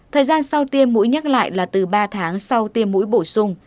thời gian sau tiêm mũi nhắc lại là từ ba tháng sau tiêm mũi bổ sung